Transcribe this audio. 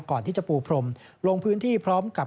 ก่อนที่จะปูพรมลงพื้นที่พร้อมกับ